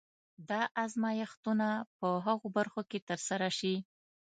دا ازمایښتونه په هغو برخو کې ترسره شي.